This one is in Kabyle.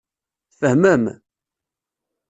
Tfehmem?